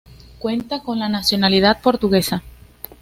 Cuenta con la nacionalidad portuguesa.